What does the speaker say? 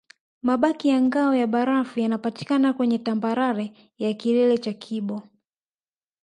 Mabaki ya ngao ya barafu yanapatikana kwenye tambarare ya kilele cha kibo